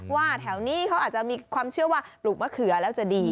ว่าแถวนี้เขาอาจจะมีความเชื่อว่าปลูกมะเขือแล้วจะดี